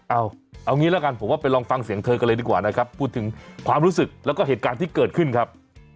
เอางี้ละกันผมว่าไปลองฟังเสียงเธอกันเลยดีกว่านะครับพูดถึงความรู้สึกแล้วก็เหตุการณ์ที่เกิดขึ้นครับ